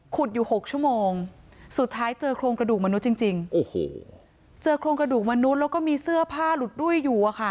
อยู่๖ชั่วโมงสุดท้ายเจอโครงกระดูกมนุษย์จริงโอ้โหเจอโครงกระดูกมนุษย์แล้วก็มีเสื้อผ้าหลุดดุ้ยอยู่อะค่ะ